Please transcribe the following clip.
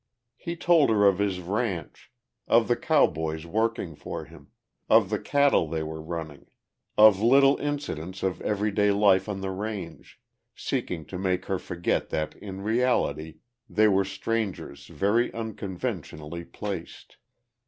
He told her of his ranch, of the cowboys working for him, of the cattle they were running, of little incidents of everyday life on the range, seeking to make her forget that in reality they were strangers very unconventionally placed.